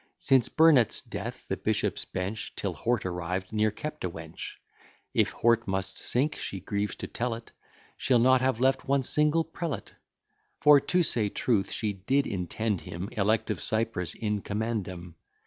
Since Burnet's death, the bishops' bench, Till Hort arrived, ne'er kept a wench; If Hort must sink, she grieves to tell it, She'll not have left one single prelate: For, to say truth, she did intend him, Elect of Cyprus _in commendam.